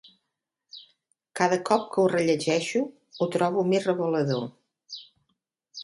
Cada cop que ho rellegeixo ho trobo més revelador.